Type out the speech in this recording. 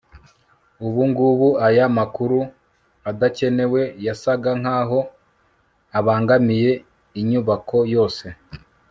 ubungubu, aya makuru adakenewe yasaga nkaho abangamiye inyubako yose